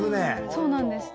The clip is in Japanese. そうなんです。